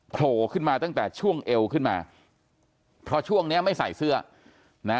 โผล่ขึ้นมาตั้งแต่ช่วงเอวขึ้นมาเพราะช่วงเนี้ยไม่ใส่เสื้อนะ